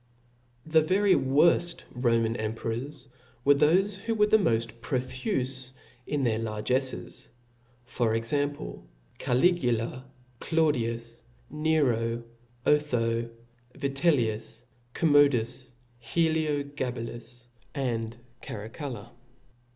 The very worft Roman emperors, were thofe who were moft profufe in their largefles, for exam ple, Caligula^ Claudius, Nero^ Otho^ Vitellius^ Com modus^ HdiogabaltiSy and Caracalla.